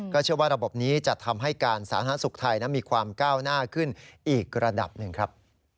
เชื่อว่าระบบนี้จะทำให้การสาธารณสุขไทยนั้นมีความก้าวหน้าขึ้นอีกระดับหนึ่งครับ